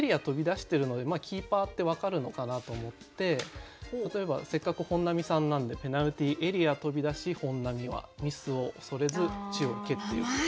飛び出してるのでキーパーって分かるのかなと思って例えばせっかく本並さんなんで「ペナルティーエリア飛び出し本並はミスを恐れず地を蹴ってゆく」。